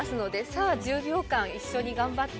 さぁ１０秒間一緒に頑張って。